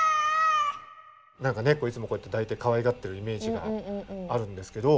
何か猫いつもこうやって抱いてかわいがってるイメージがあるんですけど。